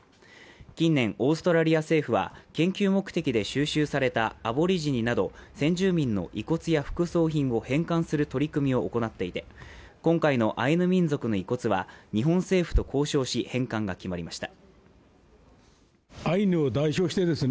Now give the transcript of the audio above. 近年、オーストラリア政府は研究目的で収集されたアボリジニなど先住民の遺骨や副葬品を返還する取り組みを行っていて、今回のアイヌ民族の遺骨は日本政府と交渉し返還が決まりました。